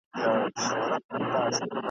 زه مي د عُمر د خزان له څانګي ورژېدم !.